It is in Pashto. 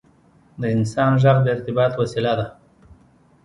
• د انسان ږغ د ارتباط وسیله ده.